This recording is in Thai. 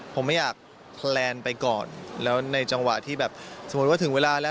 ผมไม่อยากแพลนไปก่อนแล้วในจังหวะที่แบบสมมุติว่าถึงเวลาแล้ว